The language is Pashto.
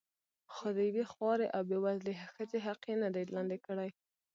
خو د یوې خوارې او بې وزلې ښځې حق یې نه دی لاندې کړی.